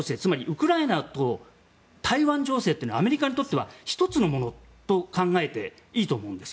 ウクライナと台湾情勢はアメリカにとっては１つのものと考えていいと思います。